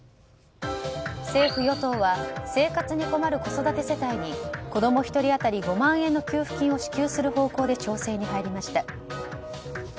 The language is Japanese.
政府・与党は生活に困る子育て世帯に子供１人当たり５万円の給付金を支給する方向で調整に入りました。